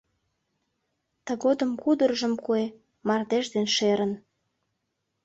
Тыгодым кудыржым куэ Мардеж ден шерын.